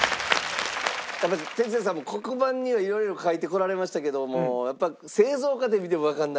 鉄矢さんも黒板には色々書いてこられましたけどもやっぱり製造過程見てもわからない。